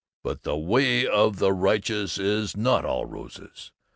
"'But the way of the righteous is not all roses.